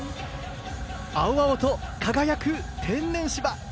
青々と輝く天然芝。